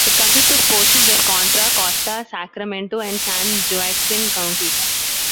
It consists of portions of Contra Costa, Sacramento, and San Joaquin counties.